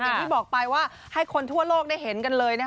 อย่างที่บอกไปว่าให้คนทั่วโลกได้เห็นกันเลยนะคะ